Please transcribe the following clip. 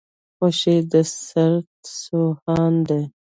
خوشي د سرت سو هان دی.